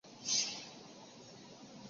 台湾未命名。